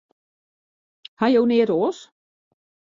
Ha jo neat oars?